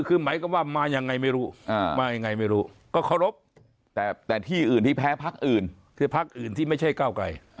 คือหมายความว่ามายังไงไม่รู้มายังไงไม่รู้ก็เคารพแต่ที่อื่นที่แพ้พักอื่นคือพักอื่นที่ไม่ใช่ก้าวไกล